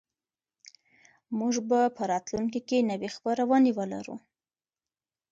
موږ به په راتلونکي کې نوې خپرونې ولرو.